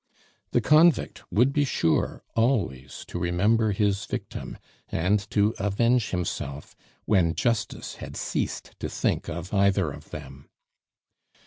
The convict would be sure always to remember his victim, and to avenge himself when Justice had ceased to think of either of them.